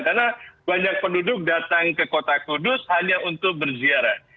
karena banyak penduduk datang ke kota kudus hanya untuk berziarah